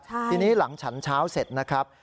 ทีนี้หลังฉันเช้าเสร็จนะครับ